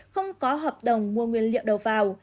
không có hợp đồng mua nguyên liệu đầu vào